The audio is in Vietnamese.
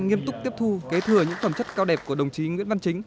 nghiêm túc tiếp thu kế thừa những phẩm chất cao đẹp của đồng chí nguyễn văn chính